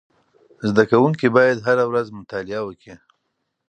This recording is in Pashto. زده کوونکي باید هره ورځ مطالعه وکړي.